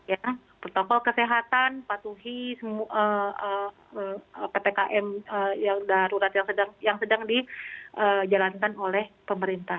ya protokol kesehatan patuhi ppkm darurat yang sedang dijalankan oleh pemerintah